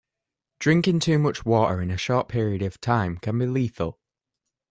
Drinking too much water in a short period of time can be lethal.